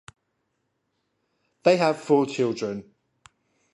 They have four children.